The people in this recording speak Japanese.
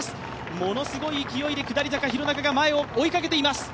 ものすごい勢いで下り坂、廣中が前を追いかけています。